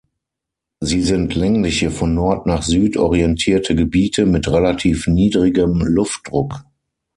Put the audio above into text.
Sie sind längliche, von Nord nach Süd orientierte Gebiete mit relativ niedrigem Luftdruck.